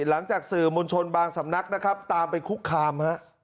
หลังจากสื่อมวลชนบางสำนักนะครับตามไปคุกคามฮะ